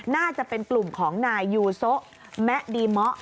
น่าจะเป็นกลุ่มของนายยูโซะแมะดีเมาะ